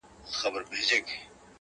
• اې د قوتي زلفو مېرمني در نه ځمه سهار ـ